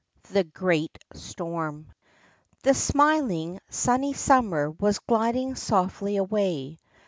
THE GEEAT STOEM ' I ' HE smiling, sunny summer was gliding softly away.